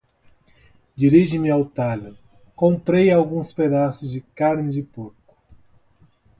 Dirigi-me ao talho. Comprei alguns pedaços de carne de porco.